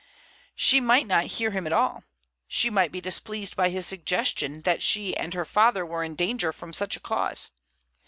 She might not hear him at all. She might be displeased by his suggestion that she and her father were in danger from such a cause.